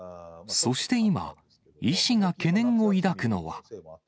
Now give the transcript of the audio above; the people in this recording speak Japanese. そして今、医師が懸念を抱くのは。